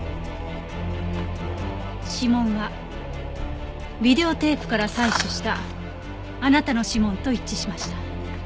指紋はビデオテープから採取したあなたの指紋と一致しました。